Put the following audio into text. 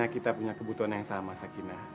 sehingga kita punya kebutuhan yang sama sakina